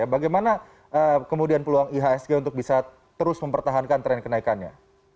bagaimana kemudian peluang ihsg untuk bisa terus mempertahankan tren kenaikannya